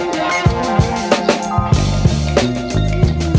nggak ada yang denger